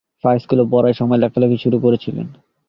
শাহ স্কুলে পড়ার সময়ই লেখালেখি শুরু করেছিলেন।